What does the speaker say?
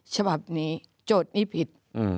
ฉบับนี้โจทย์นี้ผิด